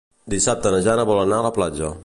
Dissabte na Jana vol anar a la platja.